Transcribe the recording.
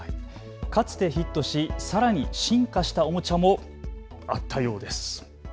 かつてヒットしさらに進化したおもちゃもあったようです。